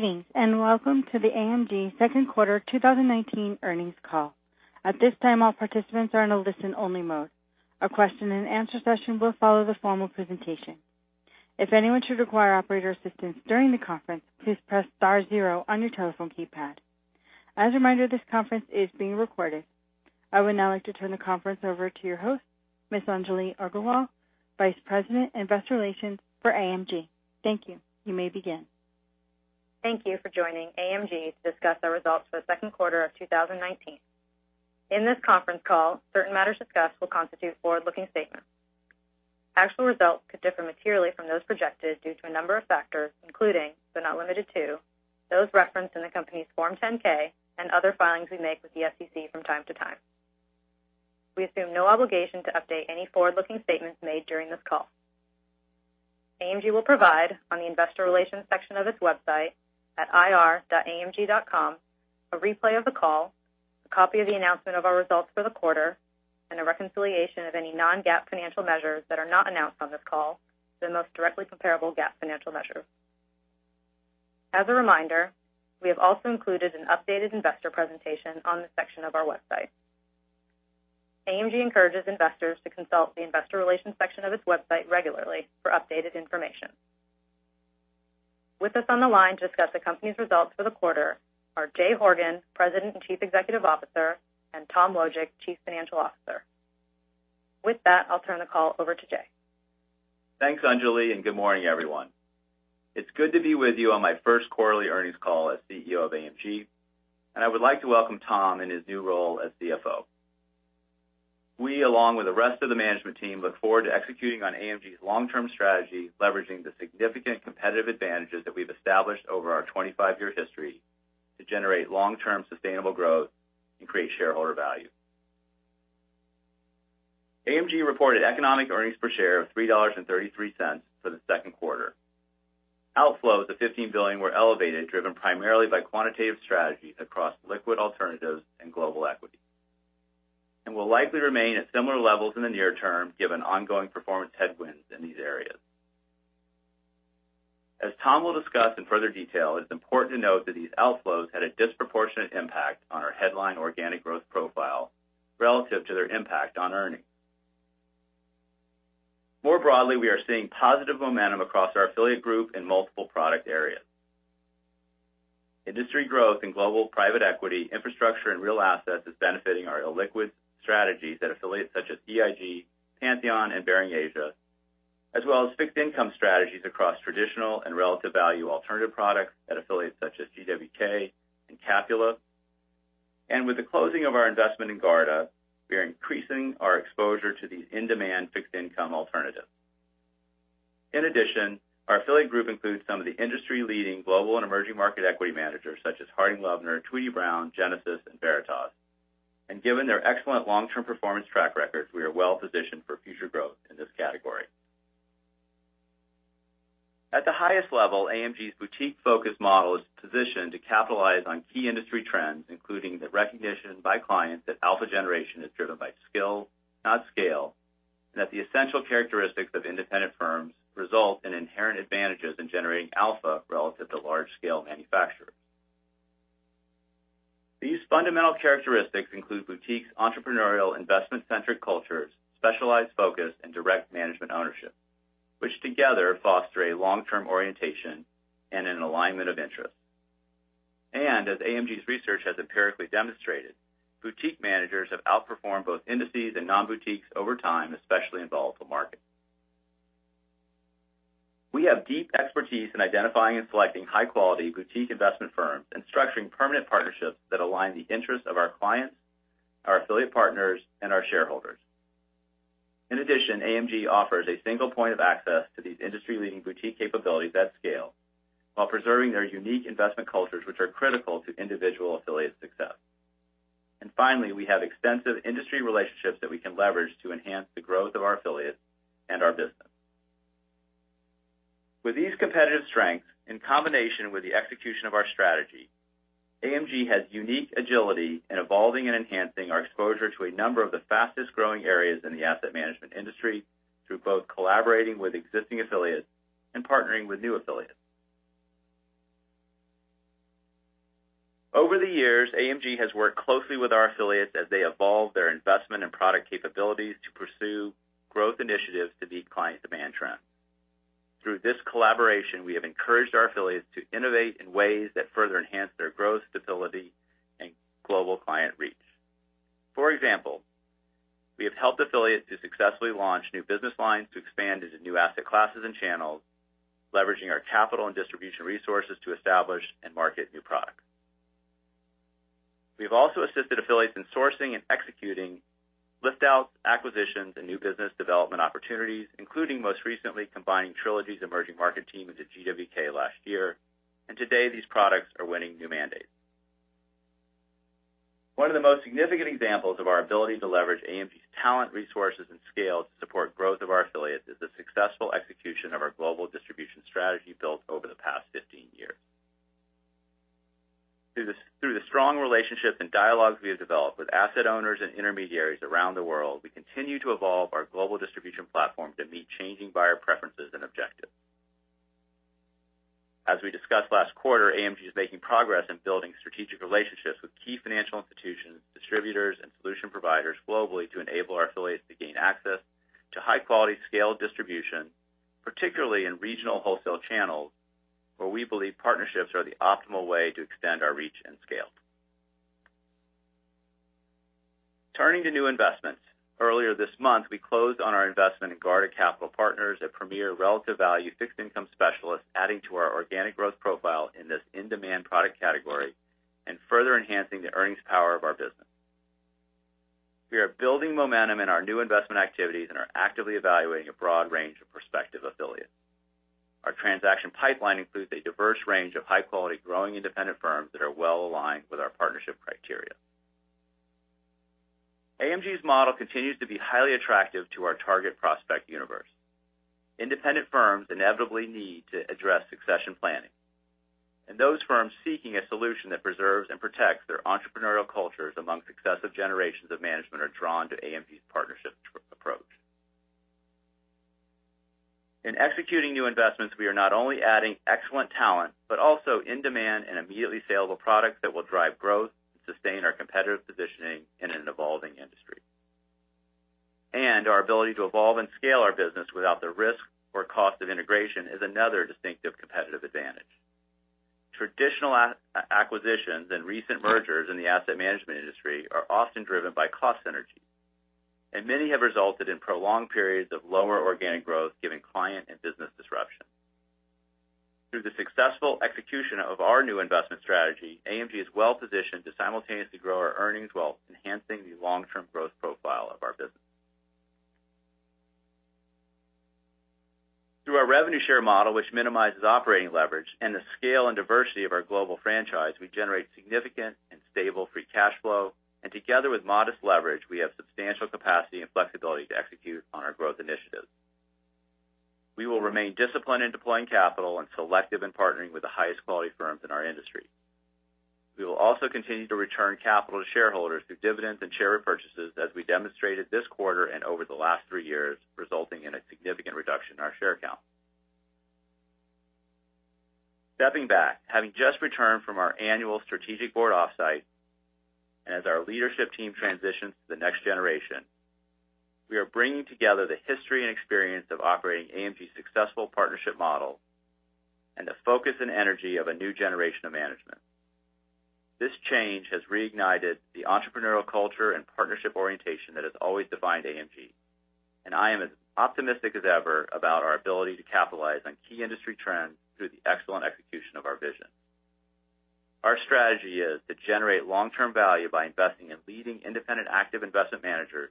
Greetings. Welcome to the AMG second quarter 2019 earnings call. At this time, all participants are in a listen-only mode. A question and answer session will follow the formal presentation. If anyone should require operator assistance during the conference, please press star zero on your telephone keypad. As a reminder, this conference is being recorded. I would now like to turn the conference over to your host, Ms. Anjali Aggarwal, Vice President, Investor Relations for AMG. Thank you. You may begin. Thank you for joining AMG to discuss our results for the second quarter of 2019. In this conference call, certain matters discussed will constitute forward-looking statements. Actual results could differ materially from those projected due to a number of factors, including, but not limited to, those referenced in the company's Form 10-K and other filings we make with the SEC from time to time. We assume no obligation to update any forward-looking statements made during this call. AMG will provide, on the investor relations section of its website at ir.amg.com, a replay of the call, a copy of the announcement of our results for the quarter, and a reconciliation of any non-GAAP financial measures that are not announced on this call to the most directly comparable GAAP financial measure. As a reminder, we have also included an updated investor presentation on this section of our website. AMG encourages investors to consult the investor relations section of its website regularly for updated information. With us on the line to discuss the company's results for the quarter are Jay Horgen, President and Chief Executive Officer, and Tom Wojcik, Chief Financial Officer. With that, I'll turn the call over to Jay. Thanks, Anjali. Good morning, everyone. It's good to be with you on my first quarterly earnings call as CEO of AMG, and I would like to welcome Tom in his new role as CFO. We, along with the rest of the management team, look forward to executing on AMG's long-term strategy, leveraging the significant competitive advantages that we've established over our 25-year history to generate long-term sustainable growth and create shareholder value. AMG reported economic earnings per share of $3.33 for the second quarter. Outflows of $15 billion were elevated, driven primarily by quantitative strategies across liquid alternatives and global equity, and will likely remain at similar levels in the near-term, given ongoing performance headwinds in these areas. As Tom will discuss in further detail, it's important to note that these outflows had a disproportionate impact on our headline organic growth profile relative to their impact on earnings. More broadly, we are seeing positive momentum across our affiliate group in multiple product areas. Industry growth in global private equity, infrastructure, and real assets is benefiting our illiquid strategies at affiliates such as EIG, Pantheon, and Baring Asia, as well as fixed income strategies across traditional and relative value alternative products at affiliates such as GW&K and Capula. With the closing of our investment in Garda, we are increasing our exposure to these in-demand fixed income alternatives. In addition, our affiliate group includes some of the industry-leading global and emerging market equity managers such as Harding Loevner, Tweedy, Browne, Genesis, and Veritas. Given their excellent long-term performance track records, we are well-positioned for future growth in this category. At the highest level, AMG's boutique focus model is positioned to capitalize on key industry trends, including the recognition by clients that alpha generation is driven by skill, not scale, and that the essential characteristics of independent firms result in inherent advantages in generating alpha relative to large-scale manufacturers. These fundamental characteristics include boutiques' entrepreneurial investment-centric cultures, specialized focus, and direct management ownership, which together foster a long-term orientation and an alignment of interest. As AMG's research has empirically demonstrated, boutique managers have outperformed both indices and non-boutiques over time, especially in volatile markets. We have deep expertise in identifying and selecting high-quality boutique investment firms and structuring permanent partnerships that align the interests of our clients, our affiliate partners, and our shareholders. In addition, AMG offers a single point of access to these industry-leading boutique capabilities at scale while preserving their unique investment cultures, which are critical to individual affiliate success. Finally, we have extensive industry relationships that we can leverage to enhance the growth of our affiliates and our business. With these competitive strengths, in combination with the execution of our strategy, AMG has unique agility in evolving and enhancing our exposure to a number of the fastest-growing areas in the asset management industry through both collaborating with existing affiliates and partnering with new affiliates. Over the years, AMG has worked closely with our affiliates as they evolve their investment and product capabilities to pursue growth initiatives to meet client demand trends. Through this collaboration, we have encouraged our affiliates to innovate in ways that further enhance their growth, stability, and global client reach. For example, we have helped affiliates to successfully launch new business lines to expand into new asset classes and channels, leveraging our capital and distribution resources to establish and market new products. We've also assisted affiliates in sourcing and executing lift-outs, acquisitions, and new business development opportunities, including most recently combining Trilogy's emerging market team into GW&K last year. Today, these products are winning new mandates. One of the most significant examples of our ability to leverage AMG's talent, resources, and scale to support growth of our affiliates is the successful execution of our global distribution strategy built over the past 15 years. Through the strong relationship and dialogues we have developed with asset owners and intermediaries around the world, we continue to evolve our global distribution platform to meet changing buyer preferences and objectives. As we discussed last quarter, AMG is making progress in building strategic relationships with key financial institutions, distributors, and solution providers globally to enable our affiliates to gain access to high-quality scaled distribution, particularly in regional wholesale channels, where we believe partnerships are the optimal way to extend our reach and scale. Turning to new investments. Earlier this month, we closed on our investment in Garda Capital Partners, a premier relative value fixed income specialist, adding to our organic growth profile in this in-demand product category and further enhancing the earnings power of our business. We are building momentum in our new investment activities and are actively evaluating a broad range of prospective affiliates. Our transaction pipeline includes a diverse range of high-quality, growing independent firms that are well-aligned with our partnership criteria. AMG's model continues to be highly attractive to our target prospect universe. Independent firms inevitably need to address succession planning, and those firms seeking a solution that preserves and protects their entrepreneurial cultures among successive generations of management are drawn to AMG's partnership approach. In executing new investments, we are not only adding excellent talent, but also in-demand and immediately saleable products that will drive growth and sustain our competitive positioning in an evolving industry. Our ability to evolve and scale our business without the risk or cost of integration is another distinctive competitive advantage. Traditional acquisitions and recent mergers in the asset management industry are often driven by cost synergy, and many have resulted in prolonged periods of lower organic growth given client and business disruption. Through the successful execution of our new investment strategy, AMG is well-positioned to simultaneously grow our earnings while enhancing the long-term growth profile of our business. Through our revenue share model, which minimizes operating leverage, and the scale and diversity of our global franchise, we generate significant and stable free cash flow, and together with modest leverage, we have substantial capacity and flexibility to execute on our growth initiatives. We will remain disciplined in deploying capital and selective in partnering with the highest quality firms in our industry. We will also continue to return capital to shareholders through dividends and share repurchases as we demonstrated this quarter and over the last three years, resulting in a significant reduction in our share count. Stepping back, having just returned from our annual strategic board offsite, and as our leadership team transitions to the next generation, we are bringing together the history and experience of operating AMG's successful partnership model and the focus and energy of a new generation of management. This change has reignited the entrepreneurial culture and partnership orientation that has always defined AMG, and I am as optimistic as ever about our ability to capitalize on key industry trends through the excellent execution of our vision. Our strategy is to generate long-term value by investing in leading independent active investment managers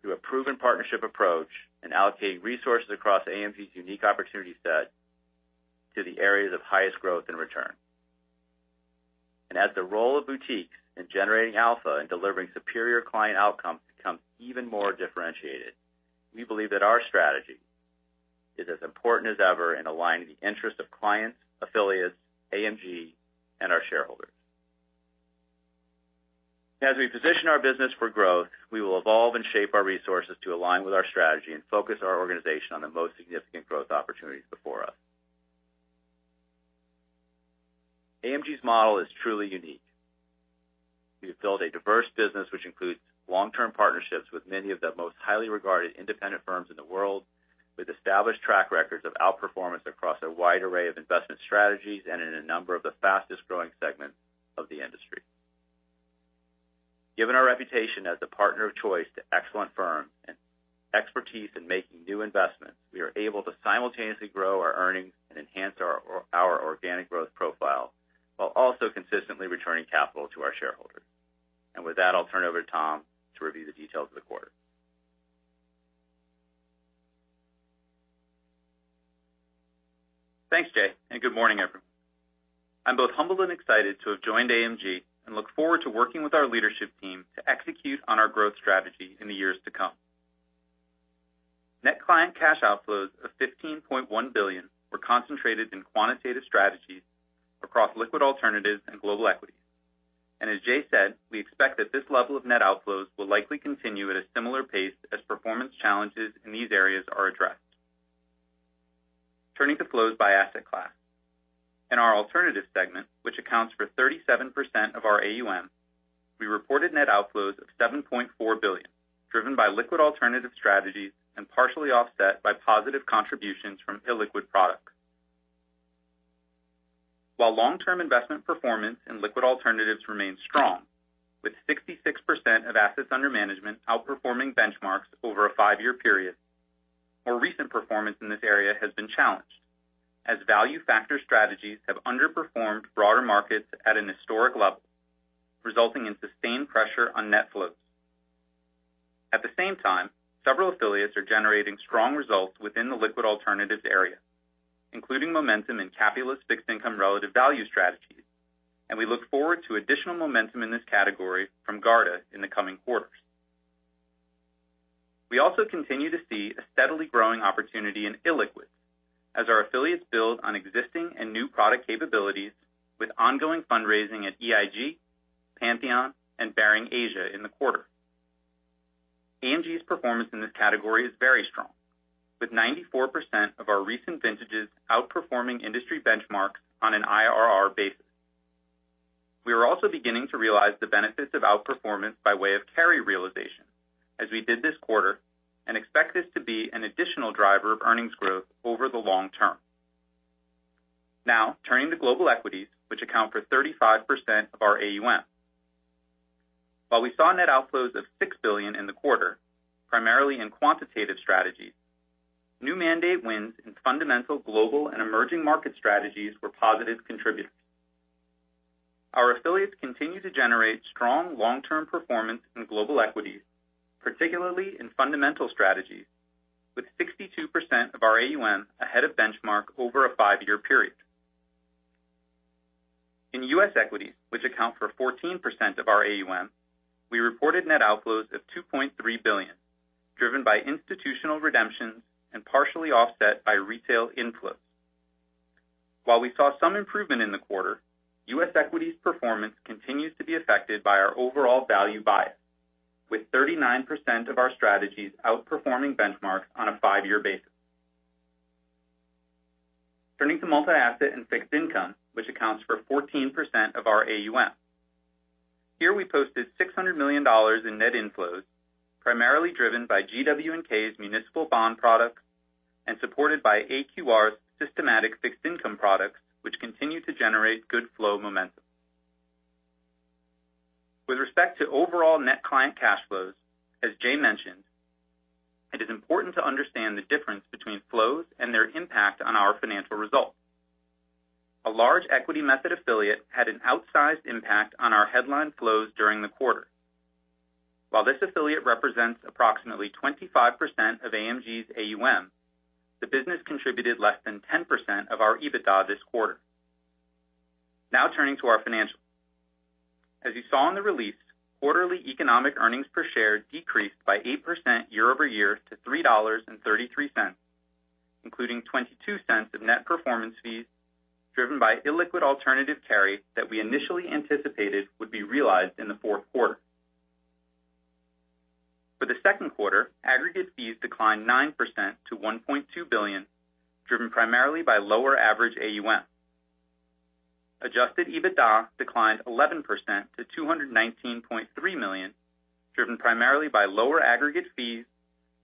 through a proven partnership approach and allocating resources across AMG's unique opportunity set to the areas of highest growth and return. As the role of boutiques in generating alpha and delivering superior client outcomes becomes even more differentiated, we believe that our strategy is as important as ever in aligning the interests of clients, affiliates, AMG, and our shareholders. As we position our business for growth, we will evolve and shape our resources to align with our strategy and focus our organization on the most significant growth opportunities before us. AMG's model is truly unique. We have built a diverse business which includes long-term partnerships with many of the most highly regarded independent firms in the world, with established track records of outperformance across a wide array of investment strategies and in a number of the fastest-growing segments of the industry. Given our reputation as a partner of choice to excellent firms and expertise in making new investments, we are able to simultaneously grow our earnings and enhance our organic growth profile while also consistently returning capital to our shareholders. With that, I'll turn it over to Tom to review the details of the quarter. Thanks, Jay. Good morning, everyone. I'm both humbled and excited to have joined AMG and look forward to working with our leadership team to execute on our growth strategy in the years to come. Net client cash outflows of $15.1 billion were concentrated in quantitative strategies across liquid alternatives and global equities. As Jay said, we expect that this level of net outflows will likely continue at a similar pace as performance challenges in these areas are addressed. Turning to flows by asset class. In our alternative segment, which accounts for 37% of our AUM, we reported net outflows of $7.4 billion, driven by liquid alternative strategies and partially offset by positive contributions from illiquid products. While long-term investment performance in liquid alternatives remains strong, with 66% of assets under management outperforming benchmarks over a five-year period, more recent performance in this area has been challenged as value factor strategies have underperformed broader markets at an historic level, resulting in sustained pressure on net flows. At the same time, several affiliates are generating strong results within the liquid alternatives area, including momentum in Capula's fixed income relative value strategies, and we look forward to additional momentum in this category from Garda in the coming quarters. We also continue to see a steadily growing opportunity in illiquids as our affiliates build on existing and new product capabilities with ongoing fundraising at EIG, Pantheon, and Baring Asia in the quarter. AMG's performance in this category is very strong, with 94% of our recent vintages outperforming industry benchmarks on an IRR basis. We are also beginning to realize the benefits of outperformance by way of carry realization, as we did this quarter, and expect this to be an additional driver of earnings growth over the long-term. Turning to global equities, which account for 35% of our AUM. While we saw net outflows of $6 billion in the quarter, primarily in quantitative strategies, new mandate wins in fundamental global and emerging market strategies were positive contributors. Our affiliates continue to generate strong long-term performance in global equities, particularly in fundamental strategies, with 62% of our AUM ahead of benchmark over a five-year period. In U.S. equities, which account for 14% of our AUM, we reported net outflows of $2.3 billion, driven by institutional redemptions and partially offset by retail inflows. While we saw some improvement in the quarter, U.S. Equities performance continues to be affected by our overall value bias, with 39% of our strategies outperforming benchmarks on a five-year basis. Turning to multi-asset and fixed income, which accounts for 14% of our AUM. Here we posted $600 million in net inflows, primarily driven by GW&K's municipal bond products and supported by AQR's systematic fixed income products, which continue to generate good flow momentum. With respect to overall net client cash flows, as Jay mentioned, it is important to understand the difference between flows and their impact on our financial results. A large equity method affiliate had an outsized impact on our headline flows during the quarter. While this affiliate represents approximately 25% of AMG's AUM, the business contributed less than 10% of our EBITDA this quarter. Now turning to our financials. As you saw in the release, quarterly economic earnings per share decreased by 8% year-over-year to $3.33, including $0.22 of net performance fees driven by illiquid alternative carry that we initially anticipated would be realized in the fourth quarter. For the second quarter, aggregate fees declined 9% to $1.2 billion, driven primarily by lower average AUM. Adjusted EBITDA declined 11% to $219.3 million, driven primarily by lower aggregate fees,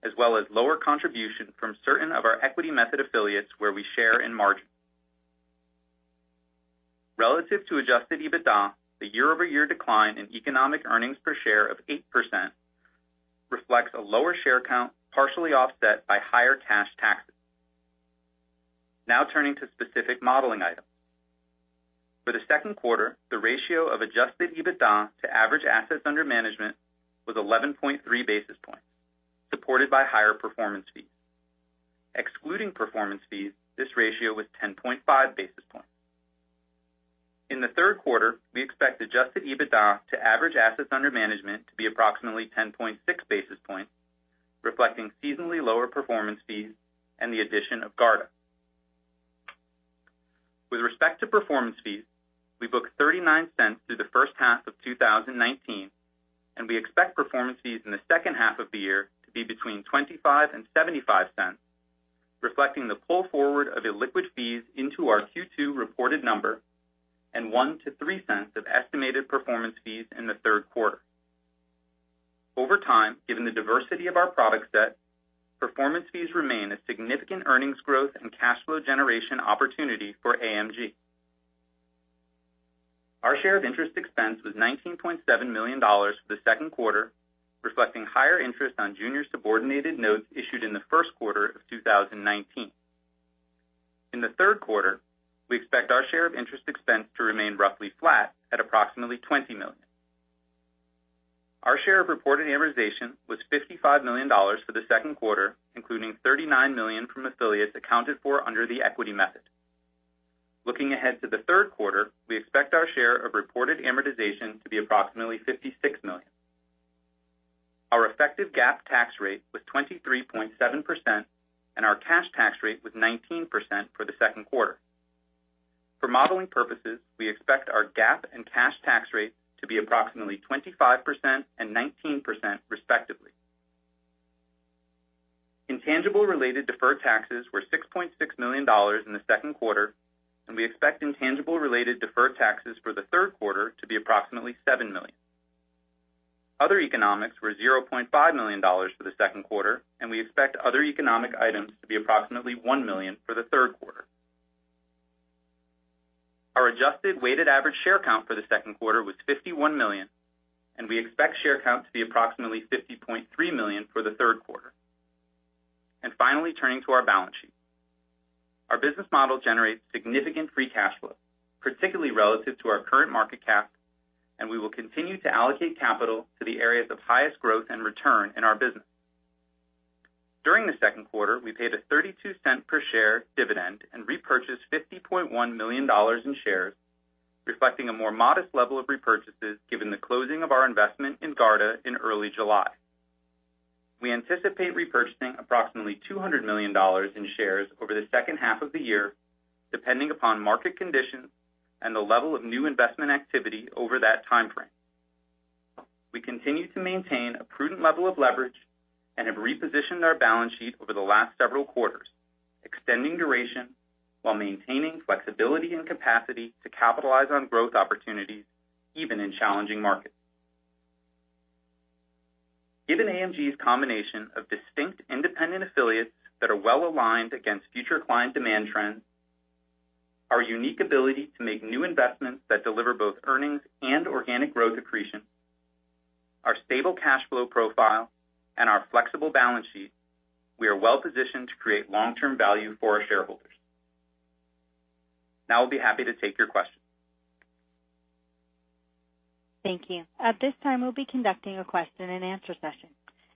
as well as lower contribution from certain of our equity method affiliates where we share in margin. Relative to adjusted EBITDA, the year-over-year decline in economic earnings per share of 8% reflects a lower share count, partially offset by higher cash taxes. Turning to specific modeling items. For the second quarter, the ratio of adjusted EBITDA to average assets under management was 11.3 basis points, supported by higher performance fees. Excluding performance fees, this ratio was 10.5 basis points. In the third quarter, we expect adjusted EBITDA to average assets under management to be approximately 10.6 basis points, reflecting seasonally lower performance fees and the addition of Garda. With respect to performance fees, we booked $0.39 through the first half of 2019, and we expect performance fees in the second half of the year to be between $0.25 and $0.75, reflecting the pull forward of illiquid fees into our Q2 reported number and $0.01-$0.03 of estimated performance fees in the third quarter. Over time, given the diversity of our product set, performance fees remain a significant earnings growth and cash flow generation opportunity for AMG. Our share of interest expense was $19.7 million for the second quarter, reflecting higher interest on junior subordinated notes issued in the first quarter of 2019. In the third quarter, we expect our share of interest expense to remain roughly flat at approximately $20 million. Our share of reported amortization was $55 million for the second quarter, including $39 million from affiliates accounted for under the equity method. Looking ahead to the third quarter, we expect our share of reported amortization to be approximately $56 million. Our effective GAAP tax rate was 23.7%, and our cash tax rate was 19% for the second quarter. For modeling purposes, we expect our GAAP and cash tax rate to be approximately 25% and 19%, respectively. Intangible-related deferred taxes were $6.6 million in the second quarter, and we expect intangible-related deferred taxes for the third quarter to be approximately $7 million. Other economics were $0.5 million for the second quarter, and we expect other economic items to be approximately $1 million for the third quarter. Our adjusted weighted average share count for the second quarter was 51 million, and we expect share count to be approximately 50.3 million for the third quarter. Finally, turning to our balance sheet. Our business model generates significant free cash flow, particularly relative to our current market cap, and we will continue to allocate capital to the areas of highest growth and return in our business. During the second quarter, we paid a $0.32 per share dividend and repurchased $50.1 million in shares, reflecting a more modest level of repurchases given the closing of our investment in Garda in early July. We anticipate repurchasing approximately $200 million in shares over the second half of the year, depending upon market conditions and the level of new investment activity over that timeframe. We continue to maintain a prudent level of leverage and have repositioned our balance sheet over the last several quarters, extending duration while maintaining flexibility and capacity to capitalize on growth opportunities, even in challenging markets. Given AMG's combination of distinct independent affiliates that are well-aligned against future client demand trends, our unique ability to make new investments that deliver both earnings and organic growth accretion, our stable cash flow profile, and our flexible balance sheet, we are well-positioned to create long-term value for our shareholders. Now, we'll be happy to take your questions. Thank you. At this time, we'll be conducting a question and answer session.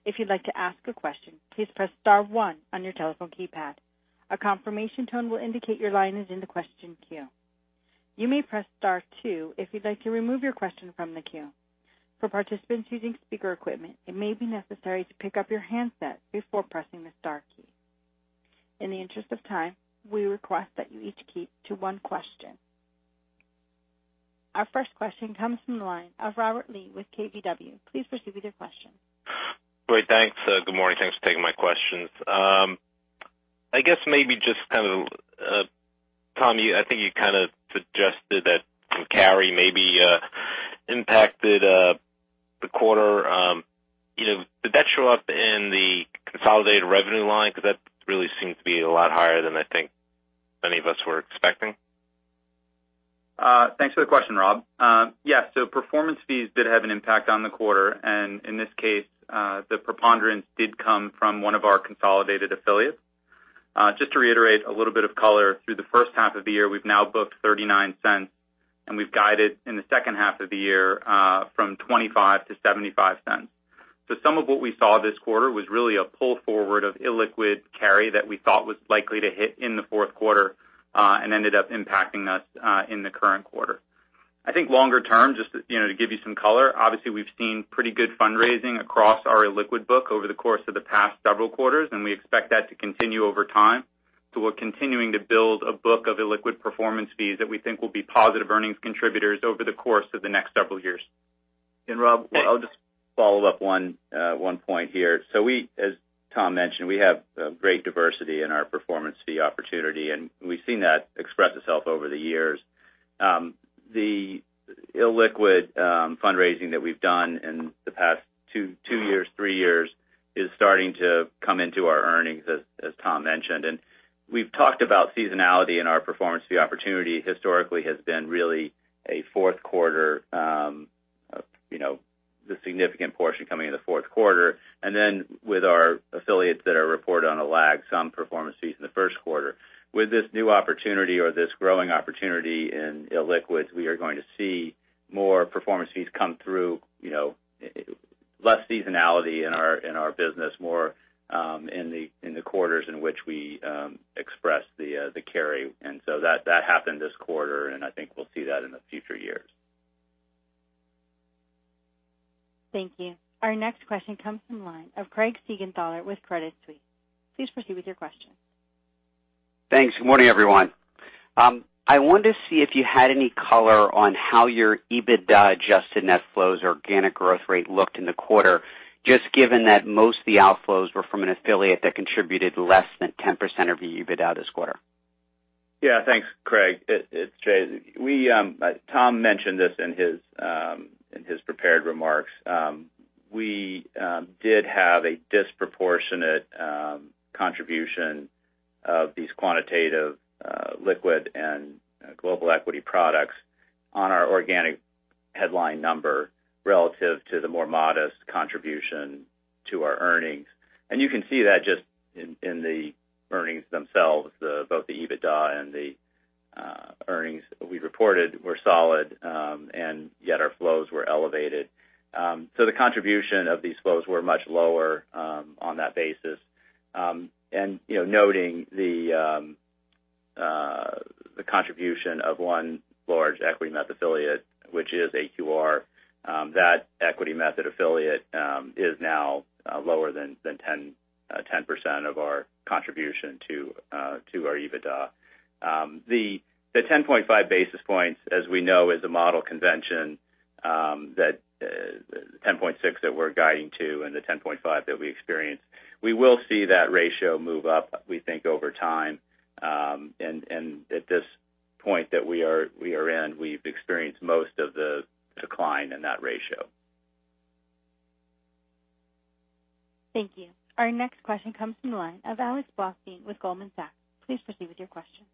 If you'd like to ask a question, please press star one on your telephone keypad. A confirmation tone will indicate your line is in the question queue. You may press star two if you'd like to remove your question from the queue. For participants using speaker equipment, it may be necessary to pick up your handset before pressing the star key. In the interest of time, we request that you each keep to one question. Our first question comes from the line of Robert Lee with KBW. Please proceed with your question. Great. Thanks. Good morning. Thanks for taking my questions. I guess maybe just kind of, Tom, I think you kind of suggested that some carry maybe impacted the quarter. Did that show up in the consolidated revenue line? That really seemed to be a lot higher than I think many of us were expecting. Thanks for the question, Rob. Yeah. Performance fees did have an impact on the quarter, and in this case, the preponderance did come from one of our consolidated affiliates. Just to reiterate a little bit of color, through the first half of the year, we've now booked $0.39, and we've guided in the second half of the year from $0.25-$0.75. Some of what we saw this quarter was really a pull forward of illiquid carry that we thought was likely to hit in the fourth quarter, and ended up impacting us in the current quarter. I think longer-term, just to give you some color, obviously we've seen pretty good fundraising across our illiquid book over the course of the past several quarters, and we expect that to continue over time. We're continuing to build a book of illiquid performance fees that we think will be positive earnings contributors over the course of the next several years. Rob, I'll just follow up one point here. We, as Tom mentioned, we have great diversity in our performance fee opportunity, and we've seen that express itself over the years. The illiquid fundraising that we've done in the past two years, three years, is starting to come into our earnings, as Tom mentioned. We've talked about seasonality in our performance fee opportunity historically has been really a fourth quarter, the significant portion coming in the fourth quarter. With our affiliates that are reported on a lag, some performance fees in the first quarter. With this new opportunity or this growing opportunity in illiquids, we are going to see more performance fees come through, less seasonality in our business, more in the quarters in which we express the carry. That happened this quarter, and I think we'll see that in the future years. Thank you. Our next question comes from the line of Craig Siegenthaler with Credit Suisse. Please proceed with your question. Thanks. Good morning, everyone. I wanted to see if you had any color on how your EBITDA adjusted net flows organic growth rate looked in the quarter, just given that most of the outflows were from an affiliate that contributed less than 10% of your EBITDA this quarter. Yeah. Thanks, Craig. It's Jay. Tom mentioned this in his prepared remarks. We did have a disproportionate contribution of these quantitative illiquid and global equity products on our organic headline number relative to the more modest contribution to our earnings. You can see that just in the earnings themselves, both the EBITDA and the earnings we reported were solid, and yet our flows were elevated. The contribution of these flows were much lower on that basis. Noting the contribution of one large equity method affiliate, which is AQR, that equity method affiliate is now lower than 10% of our contribution to our EBITDA. The 10.5 basis points, as we know, is a model convention that, 10.6 basis points that we're guiding to and the 10.5 that we experienced. We will see that ratio move up, we think, over time. At this point that we are in, we've experienced most of the decline in that ratio. Thank you. Our next question comes from the line of Alex Blostein with Goldman Sachs. Please proceed with your question.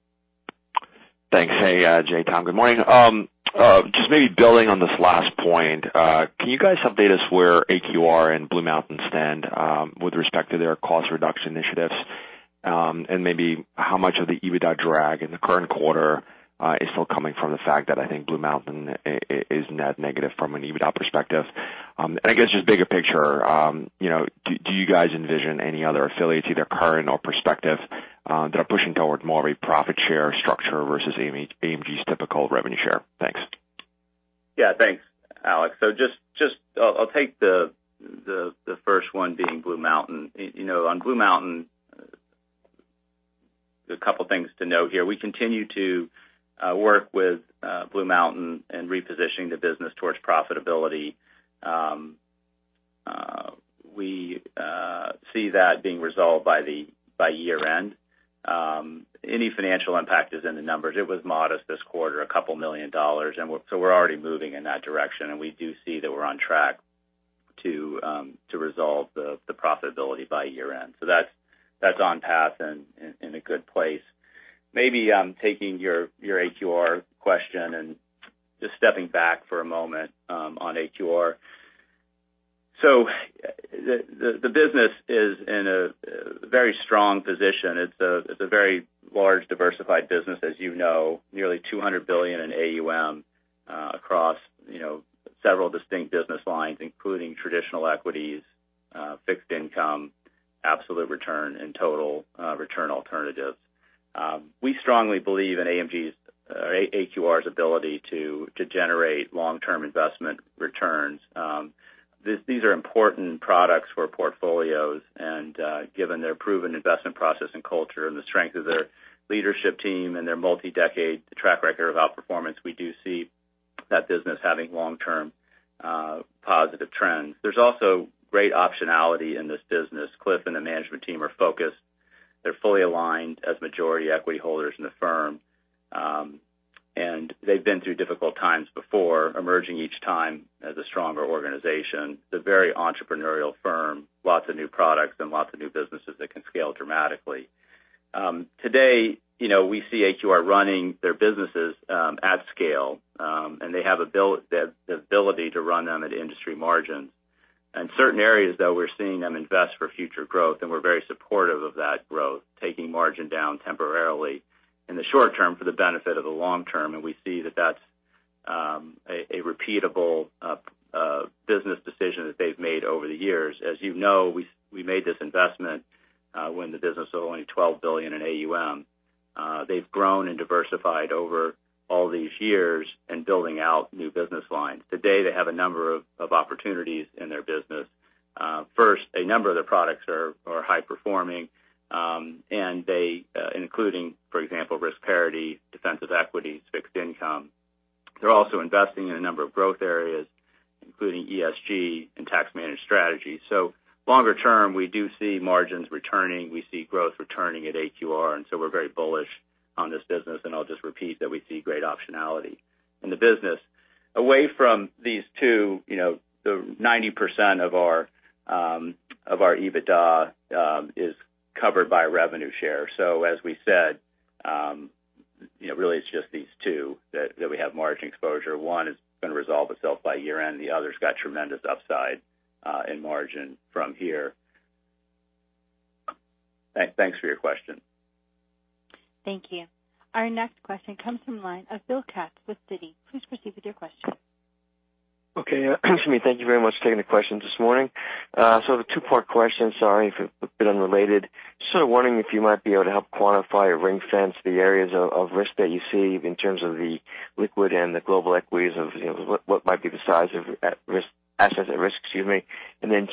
Thanks. Hey, Jay, Tom. Good morning. Just maybe building on this last point, can you guys update us where AQR and BlueMountain stand with respect to their cost reduction initiatives? Maybe how much of the EBITDA drag in the current quarter is still coming from the fact that I think BlueMountain is net negative from an EBITDA perspective. I guess just bigger picture, do you guys envision any other affiliates, either current or prospective that are pushing toward more of a profit share structure versus AMG's typical revenue share? Thanks. Yeah. Thanks, Alex. I'll take the first one being BlueMountain. On BlueMountain, a couple things to note here. We continue to work with BlueMountain in repositioning the business towards profitability. We see that being resolved by year-end. Any financial impact is in the numbers. It was modest this quarter, $2 million. We're already moving in that direction, and we do see that we're on track to resolve the profitability by year-end. That's on path and in a good place. Maybe taking your AQR question and just stepping back for a moment on AQR. The business is in a very strong position. It's a very large, diversified business, as you know, nearly $200 billion in AUM across several distinct business lines, including traditional equities, fixed income, absolute return, and total return alternatives. We strongly believe in AQR's ability to generate long-term investment returns. These are important products for portfolios, and given their proven investment process and culture and the strength of their leadership team and their multi-decade track record of outperformance, we do see that business having long-term positive trends. There's also great optionality in this business. Cliff and the management team are focused. They're fully aligned as majority equity holders in the firm. They've been through difficult times before, emerging each time as a stronger organization. They're a very entrepreneurial firm, lots of new products and lots of new businesses that can scale dramatically. Today, we see AQR running their businesses at scale, and they have the ability to run them at industry margins. In certain areas, though, we're seeing them invest for future growth, and we're very supportive of that growth, taking margin down temporarily in the short-term for the benefit of the long-term. We see that's a repeatable business decision that they've made over the years. As you know, we made this investment when the business was only $12 billion in AUM. They've grown and diversified over all these years in building out new business lines. Today, they have a number of opportunities in their business. First, a number of their products are high performing, including, for example, risk parity, defensive equities, fixed income. They're also investing in a number of growth areas, including ESG and tax-managed strategies. Longer-term, we do see margins returning. We see growth returning at AQR, and so we're very bullish on this business. I'll just repeat that we see great optionality in the business. Away from these two, the 90% of our EBITDA is covered by revenue share. As we said, really it's just these two that we have margin exposure. One is going to resolve itself by year end. The other's got tremendous upside in margin from here. Thanks for your question. Thank you. Our next question comes from the line of Bill Katz with Citi. Please proceed with your question. Thank you very much for taking the question this morning. The two-part question, sorry if it's a bit unrelated. Just sort of wondering if you might be able to help quantify or ring-fence the areas of risk that you see in terms of the liquid and the global equities of what might be the size of assets at risk. Excuse me.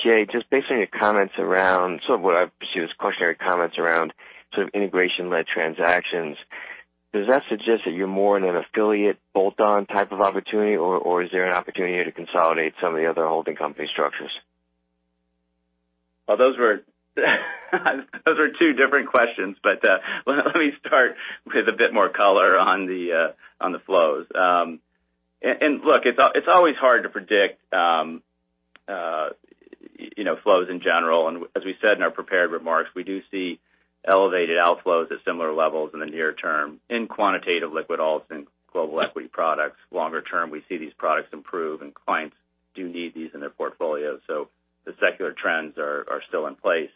Jay, just based on your comments around, sort of what I perceive as cautionary comments around sort of integration-led transactions, does that suggest that you're more in an affiliate bolt-on type of opportunity, or is there an opportunity to consolidate some of the other holding company structures? Those were two different questions, but let me start with a bit more color on the flows. Look, it's always hard to predict flows in general, and as we said in our prepared remarks, we do see elevated outflows at similar levels in the near-term in quantitative liquid alts and global equity products. Longer-term, we see these products improve, and clients do need these in their portfolios. The secular trends are still in place.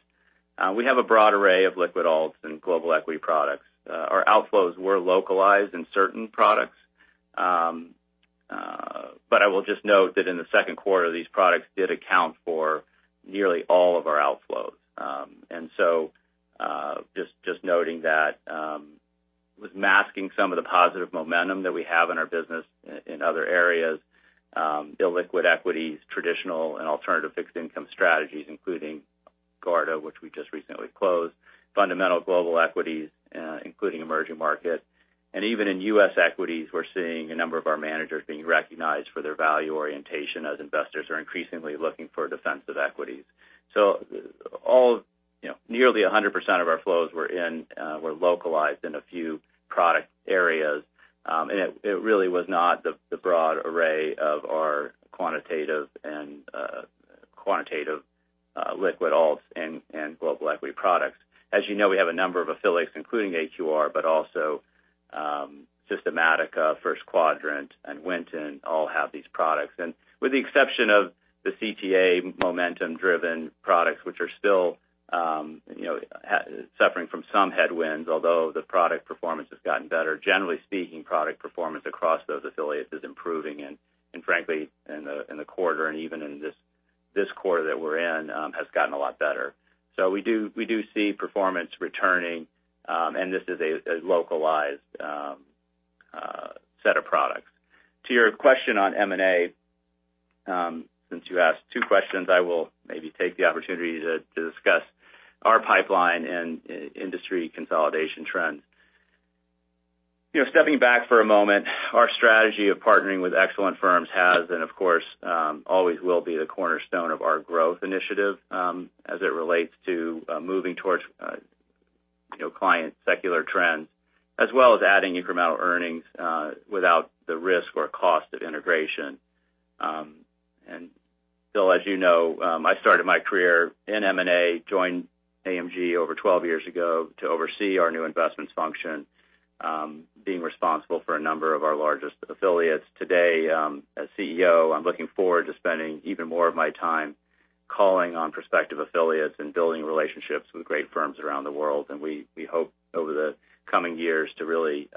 We have a broad array of liquid alts and global equity products. Our outflows were localized in certain products. I will just note that in the second quarter, these products did account for nearly all of our outflows. Just noting that was masking some of the positive momentum that we have in our business in other areas. Illiquid equities, traditional and alternative fixed income strategies, including Garda, which we just recently closed. Fundamental global equities, including emerging markets. Even in U.S. equities, we're seeing a number of our managers being recognized for their value orientation as investors are increasingly looking for defensive equities. Nearly 100% of our flows were localized in a few product areas. It really was not the broad array of our quantitative liquid alts and global equity products. As you know, we have a number of affiliates, including AQR, but also Systematica, First Quadrant, and Winton all have these products. With the exception of the CTA momentum-driven products, which are still suffering from some headwinds, although the product performance has gotten better. Generally speaking, product performance across those affiliates is improving, and frankly, in the quarter and even in this quarter that we're in has gotten a lot better. We do see performance returning, and this is a localized set of products. To your question on M&A, since you asked two questions, I will maybe take the opportunity to discuss our pipeline and industry consolidation trends. Stepping back for a moment, our strategy of partnering with excellent firms has and, of course, always will be the cornerstone of our growth initiative as it relates to moving towards client secular trends, as well as adding incremental earnings without the risk or cost of integration. Bill, as you know, I started my career in M&A, joined AMG over 12 years ago to oversee our new investments function, being responsible for a number of our largest affiliates. Today, as CEO, I'm looking forward to spending even more of my time calling on prospective affiliates and building relationships with great firms around the world. We hope over the coming years to really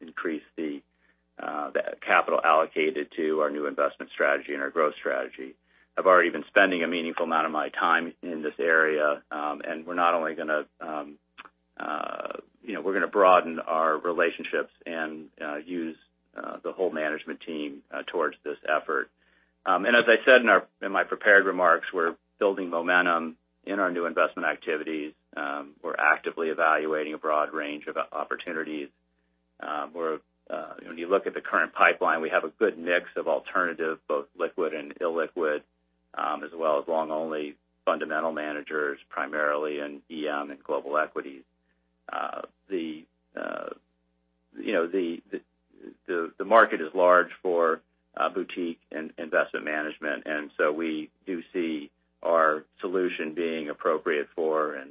increase the capital allocated to our new investment strategy and our growth strategy. I've already been spending a meaningful amount of my time in this area. We're going to broaden our relationships and use the whole management team towards this effort. As I said in my prepared remarks, we're building momentum in our new investment activities. We're actively evaluating a broad range of opportunities. When you look at the current pipeline, we have a good mix of alternative, both liquid and illiquid, as well as long-only fundamental managers, primarily in EM and global equities. The market is large for boutique and investment management, and so we do see our solution being appropriate for and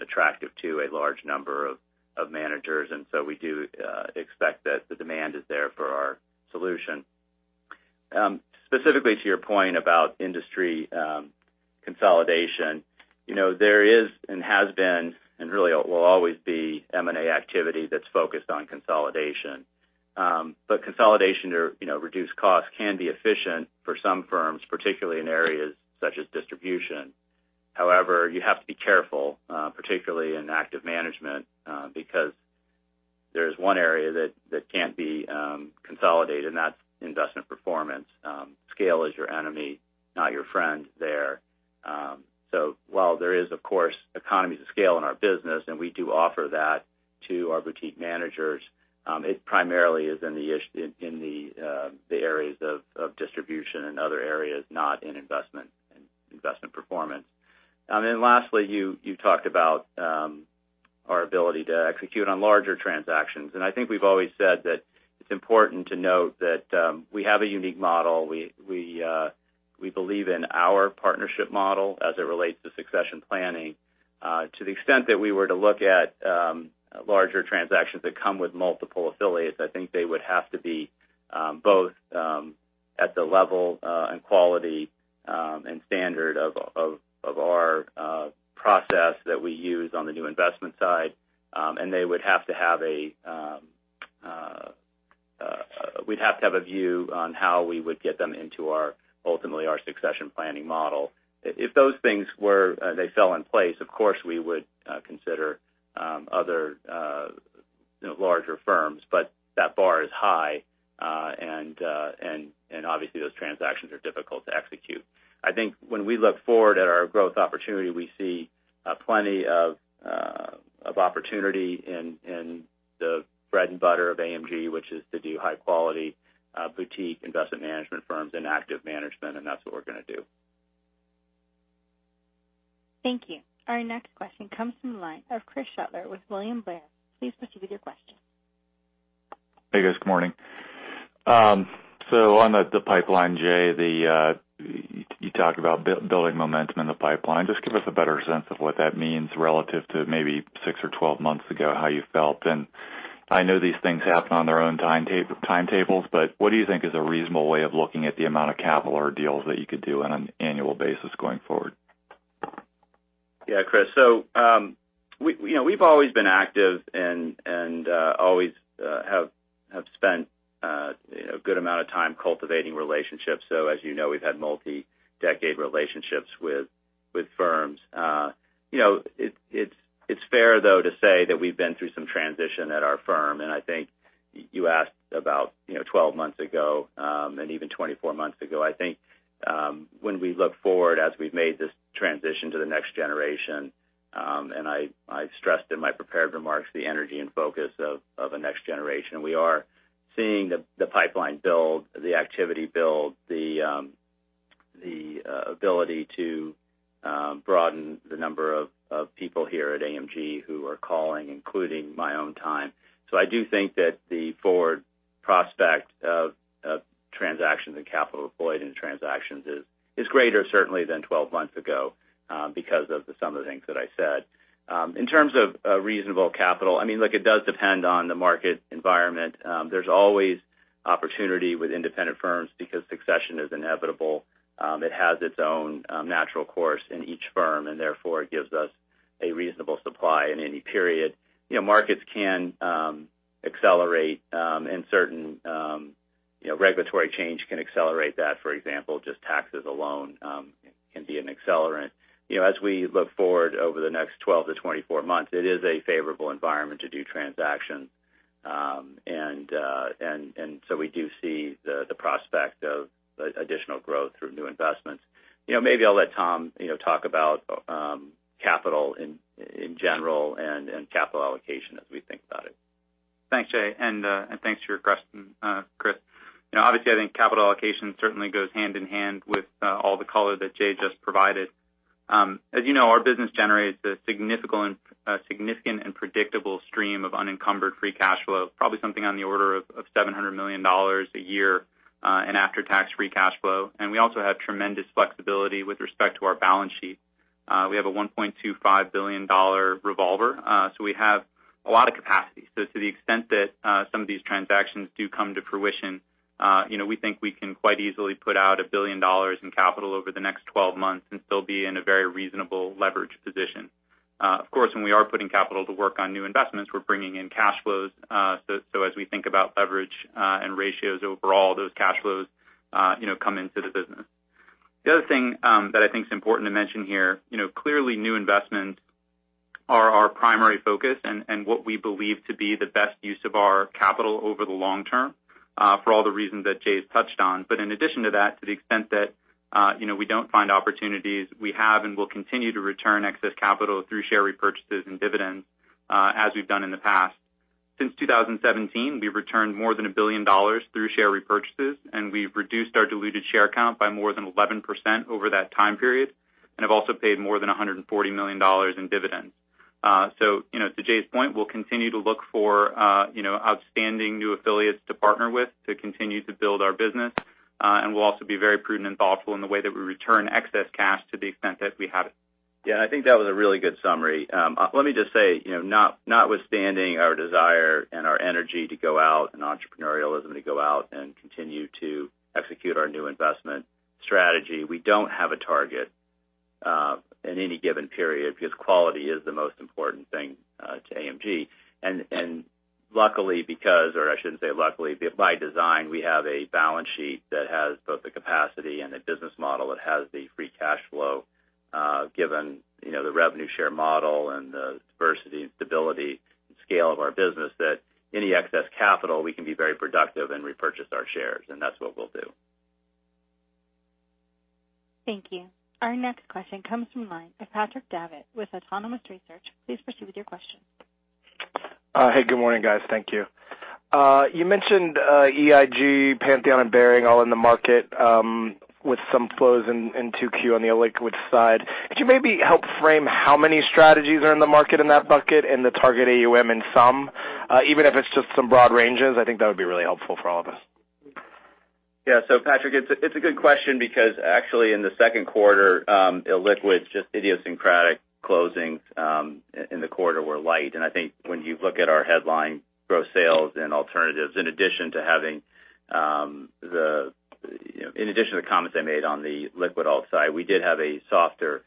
attractive to a large number of managers. We do expect that the demand is there for our solution. Specifically to your point about industry consolidation. There is and has been, and really will always be M&A activity that's focused on consolidation. Consolidation or reduced costs can be efficient for some firms, particularly in areas such as distribution. However, you have to be careful, particularly in active management, because there's one area that can't be consolidated, and that's investment performance. Scale is your enemy, not your friend there. While there is, of course, economies of scale in our business, and we do offer that to our boutique managers, it primarily is in the areas of distribution and other areas, not in investment and investment performance. Lastly, you talked about our ability to execute on larger transactions. I think we've always said that it's important to note that we have a unique model. We believe in our partnership model as it relates to succession planning. To the extent that we were to look at larger transactions that come with multiple affiliates, I think they would have to be both at the level and quality and standard of our process that we use on the new investment side. We'd have to have a view on how we would get them into ultimately our succession planning model. If those things fell in place, of course, we would consider other larger firms. That bar is high, and obviously those transactions are difficult to execute. I think when we look forward at our growth opportunity, we see plenty of opportunity in the bread and butter of AMG. Which is to do high-quality boutique investment management firms and active management, and that's what we're going to do. Thank you. Our next question comes from the line of Chris Shutler with William Blair. Please proceed with your question. Hey, guys. Good morning. On the pipeline, Jay, you talked about building momentum in the pipeline. Just give us a better sense of what that means relative to maybe six or 12 months ago, how you felt. I know these things happen on their own timetables, but what do you think is a reasonable way of looking at the amount of capital or deals that you could do on an annual basis going forward? Yeah, Chris. We've always been active and always have spent a good amount of time cultivating relationships. As you know, we've had multi-decade relationships with firms. It's fair, though, to say that we've been through some transition at our firm. I think you asked about 12 months ago, and even 24 months ago. I think when we look forward as we've made this transition to the next generation, and I stressed in my prepared remarks the energy and focus of a next generation. We are seeing the pipeline build, the activity build, the ability to broaden the number of people here at AMG who are calling, including my own time. I do think that the forward prospect of transactions and capital deployed in transactions is greater certainly than 12 months ago because of some of the things that I said. In terms of reasonable capital, it does depend on the market environment. There's always opportunity with independent firms because succession is inevitable. Therefore, it gives us a reasonable supply in any period. Markets can accelerate and certain regulatory change can accelerate that. For example, just taxes alone can be an accelerant. As we look forward over the next 12-24 months, it is a favorable environment to do transactions. We do see the prospect of additional growth through new investments. Maybe I'll let Tom talk about capital in general and capital allocation as we think about it. Thanks, Jay, thanks for your question, Chris. Obviously, I think capital allocation certainly goes hand in hand with all the color that Jay just provided. As you know, our business generates a significant and predictable stream of unencumbered free cash flow, probably something on the order of $700 million a year in after-tax free cash flow. We also have tremendous flexibility with respect to our balance sheet. We have a $1.25 billion revolver. We have a lot of capacity. To the extent that some of these transactions do come to fruition, we think we can quite easily put out $1 billion in capital over the next 12 months and still be in a very reasonable leverage position. Of course, when we are putting capital to work on new investments, we're bringing in cash flows. As we think about leverage and ratios overall, those cash flows come into the business. The other thing that I think is important to mention here, clearly new investments are our primary focus and what we believe to be the best use of our capital over the long-term for all the reasons that Jay's touched on. In addition to that, to the extent that we don't find opportunities, we have and will continue to return excess capital through share repurchases and dividends as we've done in the past. Since 2017, we've returned more than $1 billion through share repurchases, and we've reduced our diluted share count by more than 11% over that time period, and have also paid more than $140 million in dividends. To Jay's point, we'll continue to look for outstanding new affiliates to partner with to continue to build our business. We'll also be very prudent and thoughtful in the way that we return excess cash to the extent that we have it. Yeah, I think that was a really good summary. Let me just say, notwithstanding our desire and our energy to go out and entrepreneurialism to go out and continue to execute our new investment strategy, we don't have a target in any given period because quality is the most important thing to AMG. Luckily because, or I shouldn't say luckily, by design, we have a balance sheet that has both the capacity and the business model that has the free cash flow given the revenue share model and the diversity and stability and scale of our business, that any excess capital, we can be very productive and repurchase our shares, and that's what we'll do. Thank you. Our next question comes from the line of Patrick Davitt with Autonomous Research. Please proceed with your question. Hey, good morning, guys. Thank you. You mentioned EIG, Pantheon, and Baring all in the market with some close in 2Q on the illiquid side. Could you maybe help frame how many strategies are in the market in that bucket and the target AUM in some, even if it's just some broad ranges? I think that would be really helpful for all of us. Patrick, it's a good question because actually in the second quarter, illiquid, just idiosyncratic closings in the quarter were light. I think when you look at our headline, gross sales and alternatives, in addition to the comments I made on the liquid alt side, we did have a softer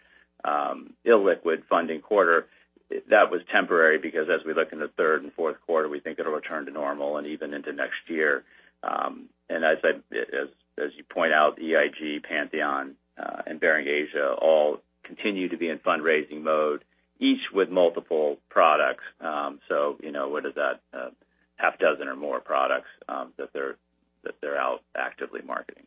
illiquid funding quarter. That was temporary because as we look in the third and fourth quarter, we think it'll return to normal and even into next year. As you point out, EIG, Pantheon, and Baring Asia all continue to be in fundraising mode, each with multiple products. What is that? A half dozen or more products that they're out actively marketing.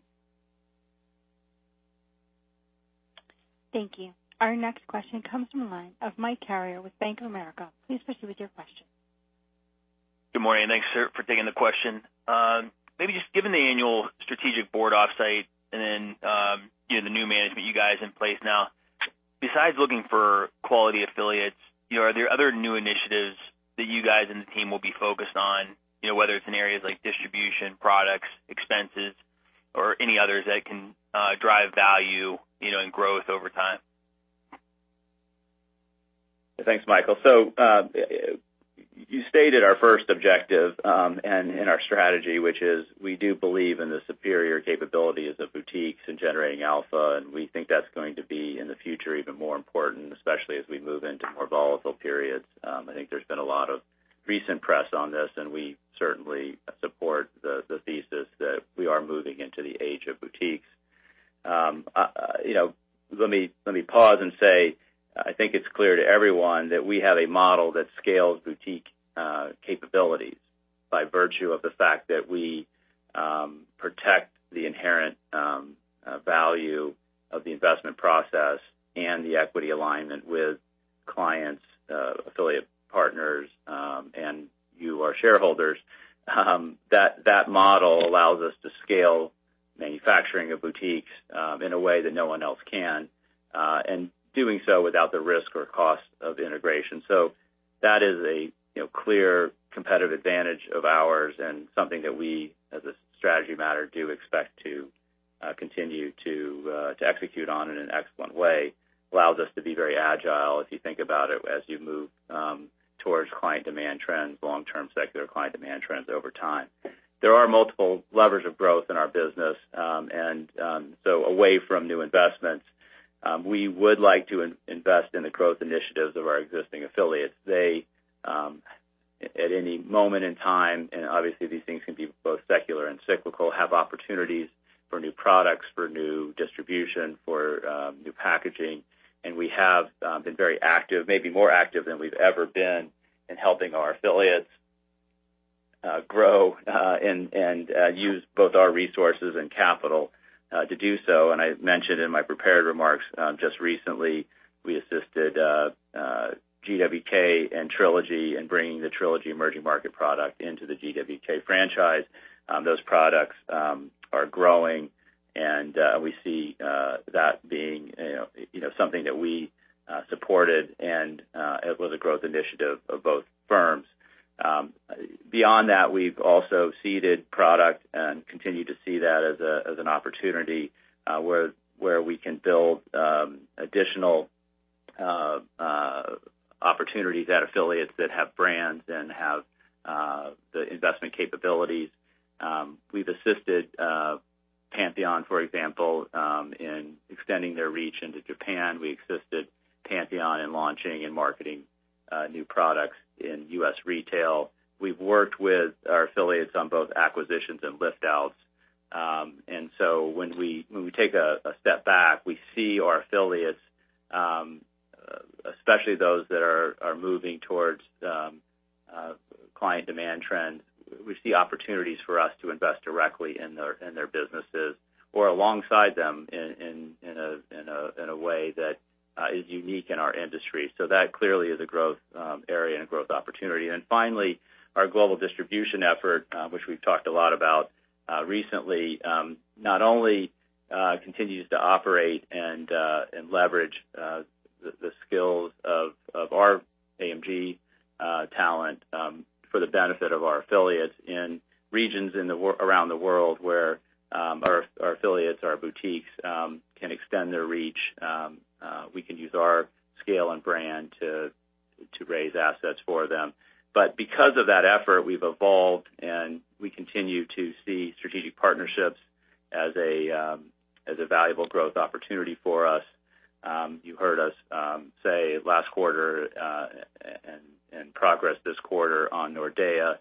Thank you. Our next question comes from the line of Mike Carrier with Bank of America. Please proceed with your question. Good morning. Thanks, sir, for taking the question. Maybe just given the annual strategic board offsite and then the new management you guys in place now, besides looking for quality affiliates, are there other new initiatives that you guys and the team will be focused on, whether it's in areas like distribution, products, expenses, or any others that can drive value and growth over time? Thanks, Mike. You stated our first objective and our strategy, which is we do believe in the superior capabilities of boutiques in generating alpha, and we think that's going to be in the future even more important, especially as we move into more volatile periods. I think there's been a lot of recent press on this, and we certainly support the thesis that we are moving into the age of boutiques. Let me pause and say, I think it's clear to everyone that we have a model that scales boutique capabilities by virtue of the fact that we protect the inherent value of the investment process and the equity alignment with clients, affiliate partners, and you, our shareholders. That model allows us to scale manufacturing of boutiques in a way that no one else can, and doing so without the risk or cost of integration. That is a clear competitive advantage of ours and something that we, as a strategy matter, do expect to continue to execute on in an excellent way. Allows us to be very agile, if you think about it, as you move towards client demand trends, long-term secular client demand trends over time. There are multiple levers of growth in our business. Away from new investments, we would like to invest in the growth initiatives of our existing affiliates. They, at any moment in time, and obviously these things can be both secular and cyclical, have opportunities for new products, for new distribution, for new packaging. We have been very active, maybe more active than we've ever been, in helping our affiliates grow and use both our resources and capital to do so. I mentioned in my prepared remarks, just recently, we assisted GW&K and Trilogy in bringing the Trilogy emerging market product into the GW&K franchise. Those products are growing. We see that being something that we supported. It was a growth initiative of both firms. Beyond that, we've also seeded product and continue to see that as an opportunity, where we can build additional opportunities at affiliates that have brands and have the investment capabilities. We've assisted Pantheon, for example, in extending their reach into Japan. We assisted Pantheon in launching and marketing new products in U.S. retail. We've worked with our affiliates on both acquisitions and lift outs. When we take a step back, we see our affiliates, especially those that are moving towards client demand trends. We see opportunities for us to invest directly in their businesses or alongside them in a way that is unique in our industry. That clearly is a growth area and a growth opportunity. Finally, our global distribution effort, which we've talked a lot about recently, not only continues to operate and leverage the skills of our AMG talent for the benefit of our affiliates in regions around the world where our affiliates, our boutiques, can extend their reach. We can use our scale and brand to raise assets for them. Because of that effort, we've evolved, and we continue to see strategic partnerships as a valuable growth opportunity for us. You heard us say last quarter, and progress this quarter on Nordea.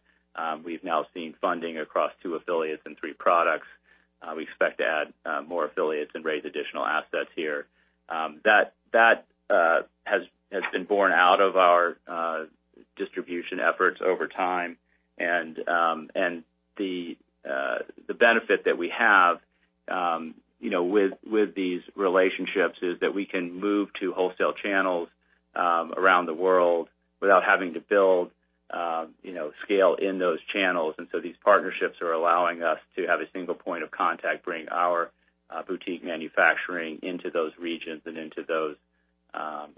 We've now seen funding across two affiliates and three products. We expect to add more affiliates and raise additional assets here. That has been born out of our distribution efforts over time. The benefit that we have with these relationships is that we can move to wholesale channels around the world without having to build scale in those channels. These partnerships are allowing us to have a single point of contact, bring our boutique manufacturing into those regions and into those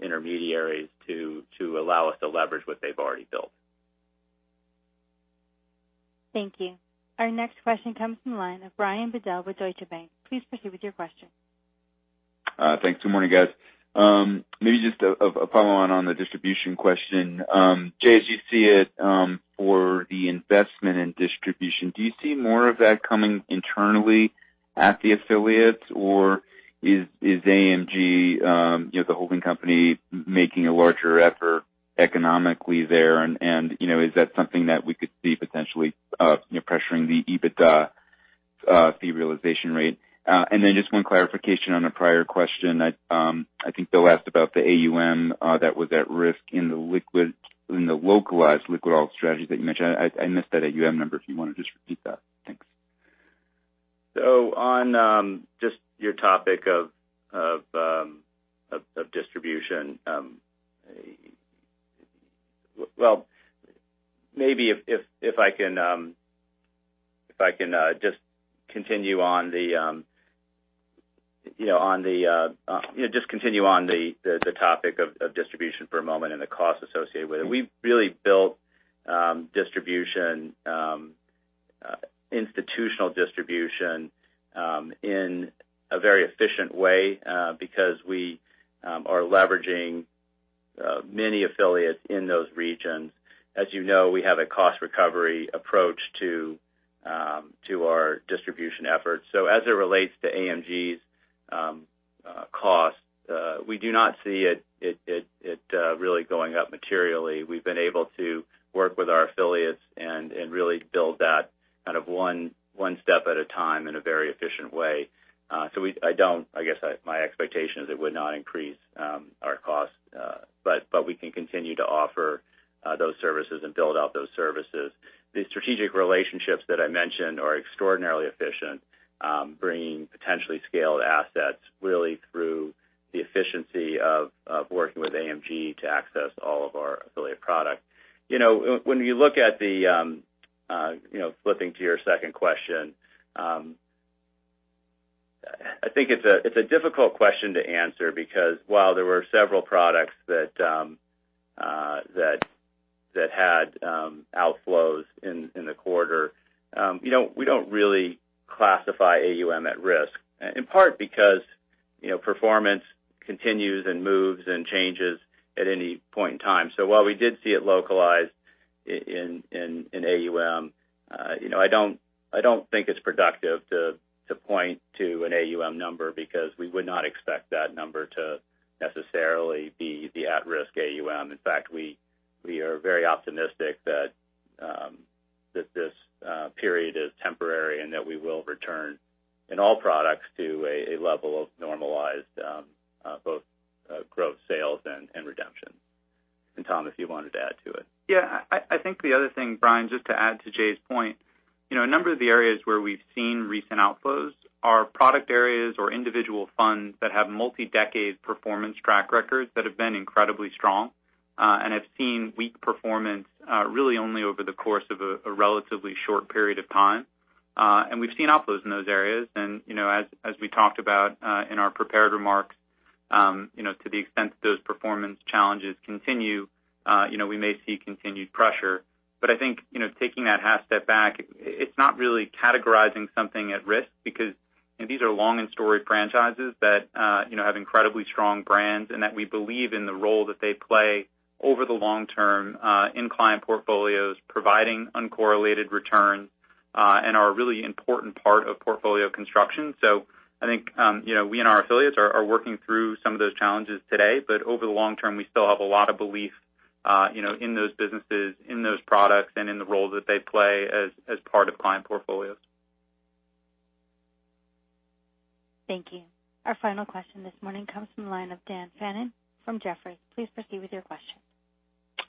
intermediaries to allow us to leverage what they've already built. Thank you. Our next question comes from the line of Brian Bedell with Deutsche Bank. Please proceed with your question. Thanks. Good morning, guys. Maybe just a follow on the distribution question. Jay, as you see it, for the investment in distribution, do you see more of that coming internally at the affiliates, or is AMG the holding company making a larger effort economically there, and is that something that we could see potentially pressuring the EBITDA fee realization rate? Then just one clarification on a prior question. I think Bill asked about the AUM that was at risk in the localized liquid alt strategy that you mentioned. I missed that AUM number if you want to just repeat that. Thanks. On just your topic of distribution. Maybe if I can just continue on the topic of distribution for a moment and the cost associated with it. We've really built distribution, institutional distribution, in a very efficient way because we are leveraging many affiliates in those regions. As you know, we have a cost recovery approach to our distribution efforts. As it relates to AMG's cost, we do not see it really going up materially. We've been able to work with our affiliates and really build that one step at a time in a very efficient way. I don't, I guess my expectation is it would not increase our cost. We can continue to offer those services and build out those services. These strategic relationships that I mentioned are extraordinarily efficient, bringing potentially scaled assets really through the efficiency of working with AMG to access all of our affiliate product. Flipping to your second question. I think it's a difficult question to answer because while there were several products that had outflows in the quarter, we don't really classify AUM at risk, in part because performance continues and moves and changes at any point in time. While we did see it localized in AUM, I don't think it's productive to point to an AUM number because we would not expect that number to necessarily be the at-risk AUM. In fact, we are very optimistic that this period is temporary and that we will return in all products to a level of normalized both growth sales and redemption. Tom, if you wanted to add to it. Yeah. I think the other thing, Brian, just to add to Jay's point. A number of the areas where we've seen recent outflows are product areas or individual funds that have multi-decade performance track records that have been incredibly strong and have seen weak performance really only over the course of a relatively short period of time. We've seen outflows in those areas. As we talked about in our prepared remarks, to the extent that those performance challenges continue, we may see continued pressure. I think, taking that half step back, it's not really categorizing something at risk because these are long and storied franchises that have incredibly strong brands and that we believe in the role that they play over the long-term in client portfolios, providing uncorrelated returns and are a really important part of portfolio construction. I think we and our affiliates are working through some of those challenges today. Over the long-term, we still have a lot of belief in those businesses, in those products, and in the roles that they play as part of client portfolios. Thank you. Our final question this morning comes from the line of Dan Fannon from Jefferies. Please proceed with your question.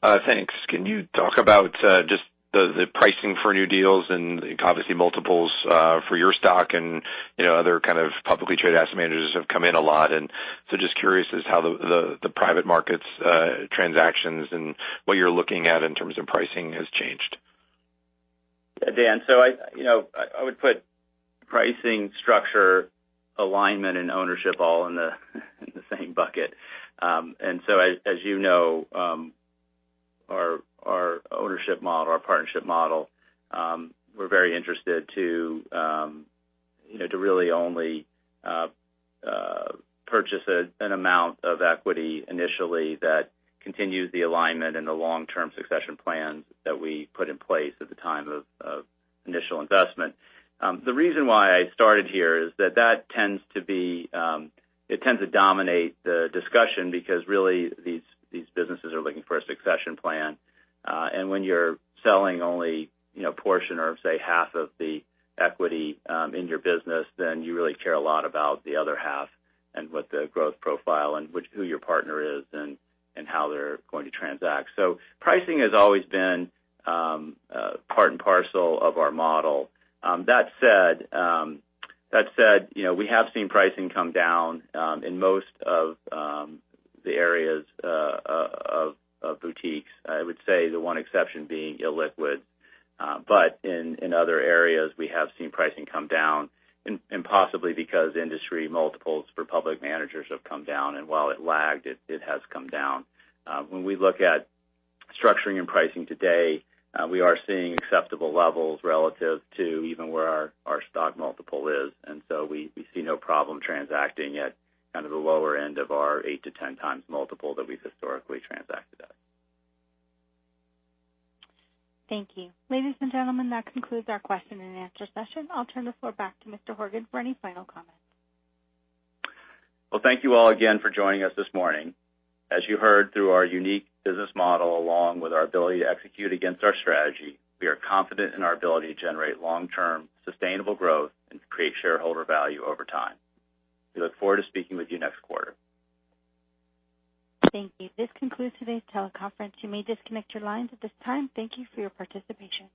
Thanks. Can you talk about just the pricing for new deals and obviously multiples for your stock and other kind of publicly traded asset managers have come in a lot? Just curious as how the private markets transactions and what you're looking at in terms of pricing has changed? Dan, I would put pricing structure alignment and ownership all in the same bucket. As you know our ownership model, our partnership model, we're very interested to really only purchase an amount of equity initially that continues the alignment and the long-term succession plans that we put in place at the time of initial investment. The reason why I started here is that it tends to dominate the discussion because really these businesses are looking for a succession plan. When you're selling only a portion or say half of the equity in your business, then you really care a lot about the other half and what the growth profile and who your partner is and how they're going to transact. Pricing has always been part and parcel of our model. That said, we have seen pricing come down in most of the areas of boutiques. I would say the one exception being illiquid. In other areas, we have seen pricing come down and possibly because industry multiples for public managers have come down. While it lagged, it has come down. When we look at structuring and pricing today, we are seeing acceptable levels relative to even where our stock multiple is. We see no problem transacting at kind of the lower end of our 8x-10x multiple that we've historically transacted at. Thank you. Ladies and gentlemen, that concludes our question and answer session. I'll turn the floor back to Mr. Horgen for any final comments. Thank you all again for joining us this morning. As you heard through our unique business model along with our ability to execute against our strategy, we are confident in our ability to generate long-term sustainable growth and create shareholder value over time. We look forward to speaking with you next quarter. Thank you. This concludes today's teleconference. You may disconnect your lines at this time. Thank you for your participation.